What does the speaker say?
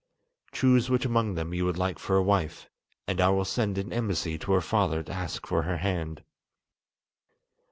Choose which among them you would like for a wife, and I will send an embassy to her father to ask for her hand."